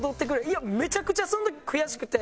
いやめちゃくちゃその時悔しくて。